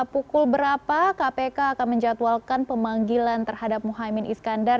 pukul berapa kpk akan menjatuhkan pemanggilan terhadap muhammad iskandar